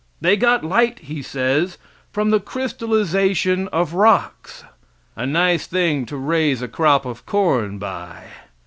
They got light, he says, from the crystallization of rocks. A nice thing to raise a crop of corn by.